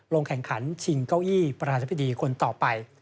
ลงแข่งขันชิงเก้าอี้ประธานพิธีคนต่อไป